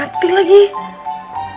ada ada peman asilnya